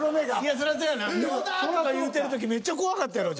「野田！」とか言うてる時めっちゃ怖かったやろ？